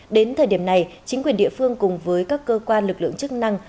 đến thời điểm này chính quyền địa phương cùng với các cơ quan lực lượng chức năng